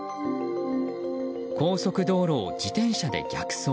高速道路を自転車で逆走。